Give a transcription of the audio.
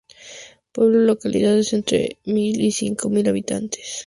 Pueblo Localidades entre mil y cinco mil habitantes.